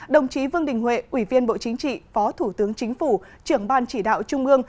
đồng chí vương đình huệ ủy viên bộ chính trị phó thủ tướng chính phủ trưởng ban chỉ đạo trung ương